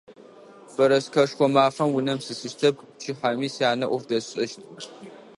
Бэрэскэшхо мафэм унэм сисыщтэп, пчыхьэми сянэ ӏоф дэсшӏэщт.